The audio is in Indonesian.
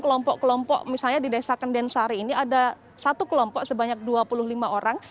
kelompok kelompok misalnya di desa kendensari ini ada satu kelompok sebanyak dua puluh lima orang